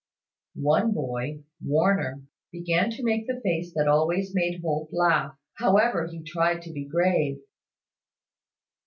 One boy, Warner, began to make the face that always made Holt laugh, however he tried to be grave.